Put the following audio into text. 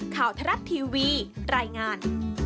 ข่าวทรัพย์ทีวีรายงาน